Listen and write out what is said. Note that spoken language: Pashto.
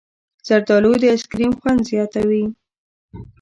زردالو د ایسکریم خوند زیاتوي.